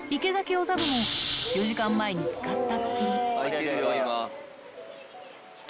おザブも、４時間前に使ったっきり。